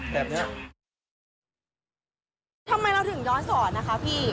เพราะว่ามันสะดวกหรือยังไงคะพี่